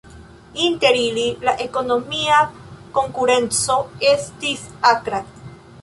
Inter ili, la ekonomia konkurenco estis akra.